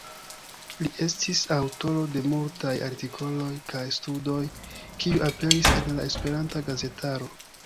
Li estis aŭtoro de multaj artikoloj kaj studoj, kiuj aperis en la Esperanta gazetaro.